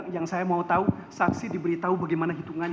yang saya mau tahu saksi diberi tahu bagaimana hitungannya